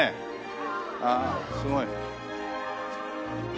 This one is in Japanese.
ああすごい。